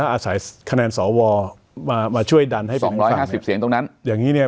อาศัยคะแนนสวมามาช่วยดันให้สองร้อยห้าสิบเสียงตรงนั้นอย่างนี้เนี่ย